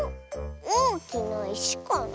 おおきないしかな？